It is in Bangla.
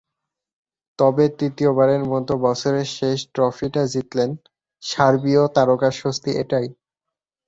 তবে তৃতীয়বারের মতো বছরের শেষ ট্রফিটা জিতলেন, সার্বীয় তারকার স্বস্তি এটাই।